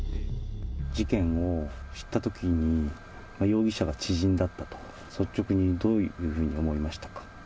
事件を知ったときに、容疑者が知人だったと、率直にどういうふうに思いましたか？